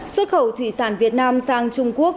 xuất khẩu thủy sản việt nam sang trung quốc